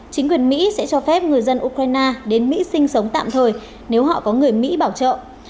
chính quyền mỹ sẽ cho phép người dân ukraine đến mỹ sinh sống tạm thời nếu họ có người mỹ bảo trợ